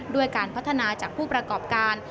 ด้วยการพัฒนาจากผู้ประกอบการ